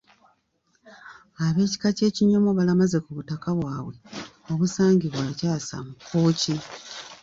Ab’ekika ky’Ekinyomo balamaze ku butaka bwabwe obusangibwa e Kyasa mu Kkooki.